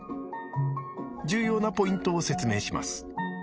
重要なポイントを説明します。